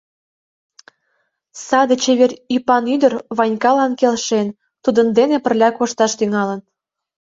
Саде чевер ӱпан ӱдыр Ванькалан келшен, тудын дене пырля кошташ тӱҥалын.